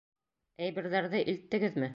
Әйберҙәрҙе илттегеҙме?